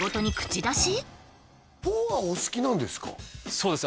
そうです